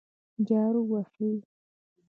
جارو وهي.